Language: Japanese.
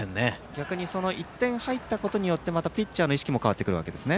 逆に、１点が入ったことによってまたピッチャーの意識も変わってくるわけですね。